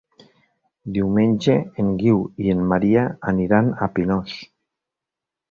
Diumenge en Guiu i en Maria aniran a Pinós.